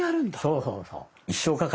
そうそうそう。